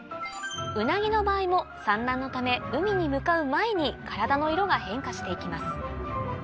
ウナギの場合も産卵のため海に向かう前に体の色が変化していきます